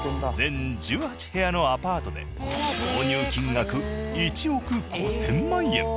全１８部屋のアパートで購入金額１億５０００万円。